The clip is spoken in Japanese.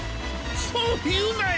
そういうなよ！